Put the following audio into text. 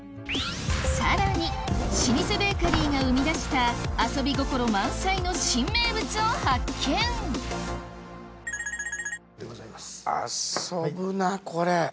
さらに老舗ベーカリーが生み出した遊び心満載の新名物を発見遊ぶなこれ。